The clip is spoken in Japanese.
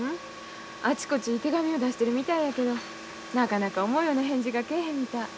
あちこちに手紙を出してるみたいやけどなかなか思うような返事が来えへんみたい。